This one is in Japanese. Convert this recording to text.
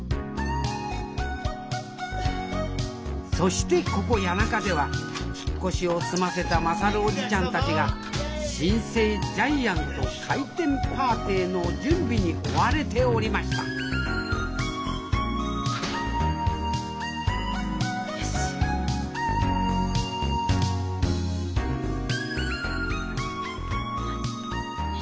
そしてここ谷中では引っ越しを済ませた優叔父ちゃんたちが新生ジャイアント開店パーティーの準備に追われておりましたよし！